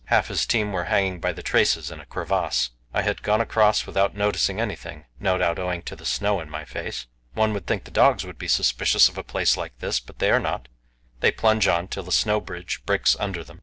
half his team were hanging by the traces in a crevasse. I had gone across without noticing anything; no doubt owing to the snow in my face. One would think the dogs would be suspicious of a place like this; but they are not they plunge on till the snow bridge breaks under them.